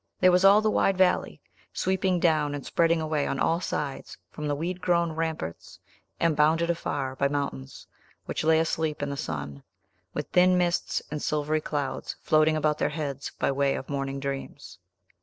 There was all the wide valley, sweeping down and spreading away on all sides from the weed grown ramparts, and bounded afar by mountains, which lay asleep in the sun, with thin mists and silvery clouds floating about their heads by way of morning dreams.